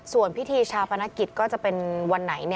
ส่วนพิธีชาปนกิจก็จะเป็นวันไหน